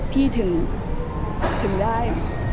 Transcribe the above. พี่ถึงได้